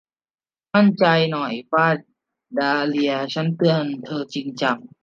มั่นใจหน่อยป้าดาห์เลีย ฉันเตือนเธอจริงจัง